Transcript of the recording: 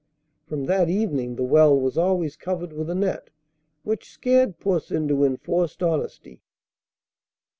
From that evening the well was always covered with a net, which scared puss into enforced honesty.